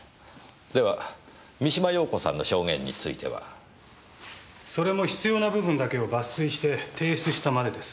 では三島陽子さんの証言については？それも必要な部分だけを抜粋して提出したまでです。